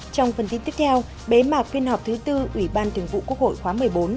trong phần tin tiếp theo bế mạc phiên họp thứ tư ủy ban thường vụ quốc hội khóa một mươi bốn